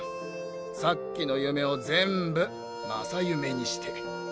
さっきの夢を全部正夢にして。